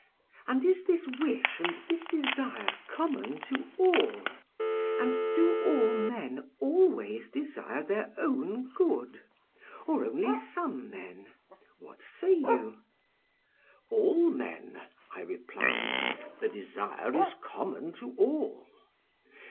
"'And is this wish and this desire common to all? and do all men always desire their own good, or only some men? what say you?' "'All men,' I replied; 'the desire is common to all.'